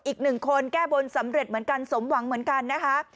อีกหนึ่งคนแก้บนสำเร็จเหมือนกันสมหวังเหมือนกันนะคะ